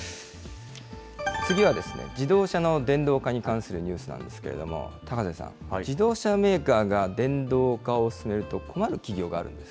次は、自動車の電動化に関するニュースなんですけれども、高瀬さん、自動車メーカーが電動化を進めると困る企業があるんです。